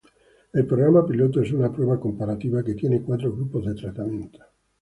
El programa piloto es una prueba comparativa que tiene cuatro grupos de tratamiento.